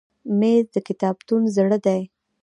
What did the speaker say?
مېز د کتابتون زړه دی.